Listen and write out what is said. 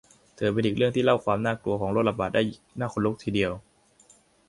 ถือเป็นอีกเรื่องที่เล่าความน่ากลัวของโรคระบาดได้น่าขนลุกทีเดียว